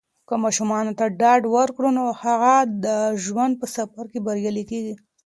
که ماشوم ته ډاډ ورکړو، نو هغه د ژوند په سفر کې بریالی کیږي.